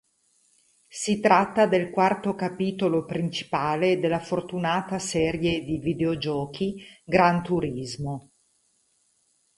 Si tratta del quarto capitolo principale della fortunata serie di videogiochi "Gran Turismo".